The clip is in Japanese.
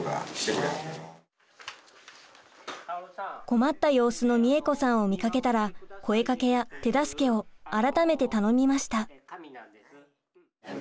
困った様子のみえ子さんを見かけたら声かけや手助けを改めて頼みました。